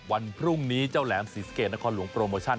วันพรุ่งนี้เจ้าแหลมศรีสะเกดนครหลวงโปรโมชั่น